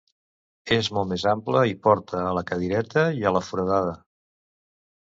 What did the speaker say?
És molt més ample i porta a la Cadireta i a la Foradada.